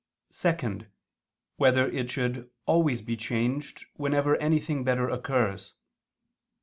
(2) Whether it should be always changed, whenever anything better occurs?